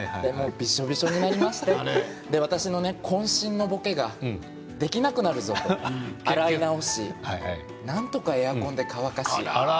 びしょびしょになりまして私のこん身のボケができなくなるぞと洗い直しなんとかエアコンで乾かし。